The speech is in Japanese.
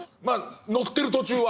乗ってる途中は？